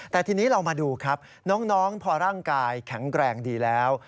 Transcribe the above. แต่ทีนี้เรามาดูครับน้องพอร่างกายแข็งแกร่งดีแล้ว